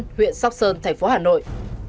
đã nam sơn huyện sóc sơn thành phố hà nội